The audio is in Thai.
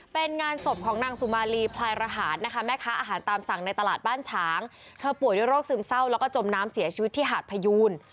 เป็นงานศพของนางสุมาลีพลายรหารนะคะแม่ค้าอาหารตามสั่งในตลาดบ้านฉางเธอป่วยด้วยโรคซึมเศร้าแล้วก็จมน้ำเสียชีวิตที่หาดพยูน